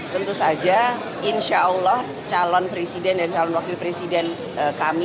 tentu saja insya allah calon presiden dan calon wakil presiden kami